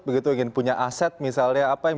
begitu ingin punya aset misalnya apa yang